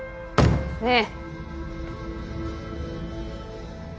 ねえ。